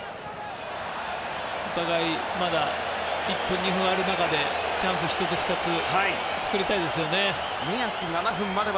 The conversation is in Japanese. お互いまだ１分、２分ある中でチャンスを１つ、２つと作りたいですよね。